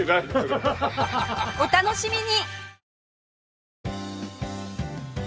お楽しみに！